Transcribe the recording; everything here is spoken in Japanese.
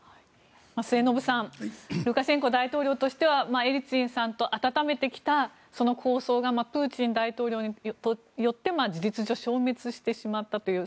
末延さんルカシェンコ大統領としてはエリツィンさんと温めてきたその構想がプーチン大統領によって事実上消滅してしまったという。